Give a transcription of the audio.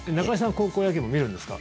高校野球も見るんですか？